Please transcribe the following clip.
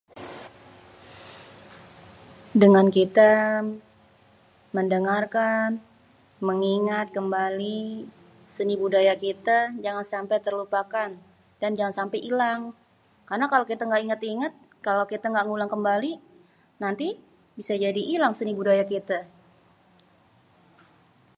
dengan kitê, mendengarkan, mengingat kembali, senibudaya kitê, jangan sampé terlupakan, dan jangan sampé ilang, karna kalo kita ga ingèt-ingèt, kalo kitê ga ngulang kembali. nanti, bisa jadi ilang senibudayê kitê.